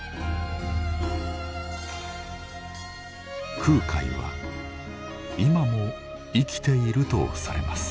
空海は今も生きているとされます。